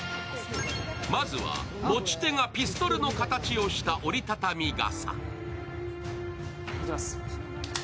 まずは持ち手がピストルの形をした折り畳み傘。